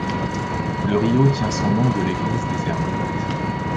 Le rio tient son nom de l'Église des Ermites.